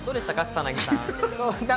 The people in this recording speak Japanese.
草薙さん。